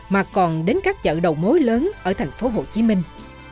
mà còn đến các chợ đầu mối lớn ở thành phố hồ chí minh